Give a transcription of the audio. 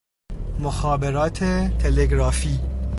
مخابرات تلگرافی